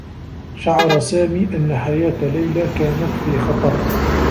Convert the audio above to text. شعر سامي أنّ حياة ليلى كانت في خطر.